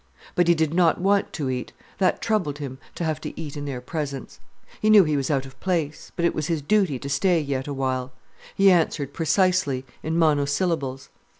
But he did not want to eat—that troubled him, to have to eat in their presence. He knew he was out of place. But it was his duty to stay yet awhile. He answered precisely, in monosyllables.